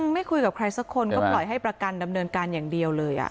ไม่คุยกับใครสักคนก็ปล่อยให้ประกันดำเนินการอย่างเดียวเลย